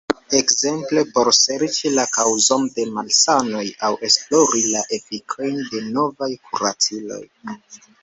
Ekzemple por serĉi la kaŭzon de malsanoj aŭ esplori la efikojn de novaj kuraciloj.